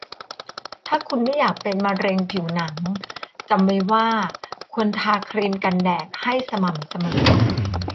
ถ้าคุณไม่อยากเป็นมะเร็งผิวหนัง จำไว้ว่าควรทาครีมกันแดดให้สม่ำเสมอ